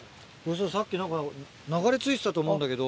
さっき何か流れ着いてたと思うんだけど。